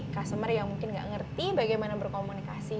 customer yang mungkin tidak mengerti bagaimana berkomunikasi